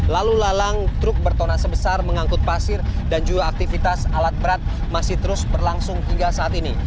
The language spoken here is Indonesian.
lalu lalang truk bertona sebesar mengangkut pasir dan juga aktivitas alat berat masih terus berlangsung hingga saat ini